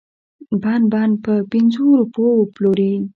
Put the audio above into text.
بند بند په پنځو روپو وپلوري.